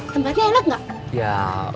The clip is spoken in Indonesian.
tempatnya enak gak